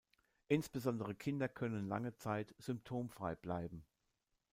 Insbesondere Kinder können lange Zeit symptomfrei bleiben.